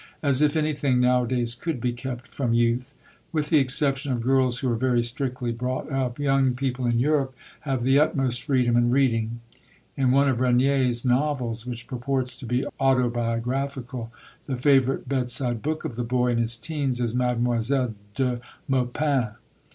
As if anything nowadays could be kept from youth! With the exception of girls who are very strictly brought up, young people in Europe have the utmost freedom in reading. In one of Regnier's novels, which purports to be autobiographical, the favourite bedside book of the boy in his teens is Mademoiselle de Maupin.